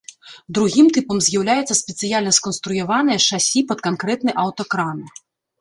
Другім тыпам з'яўляецца спецыяльна сканструяванае шасі пад канкрэтны аўтакран.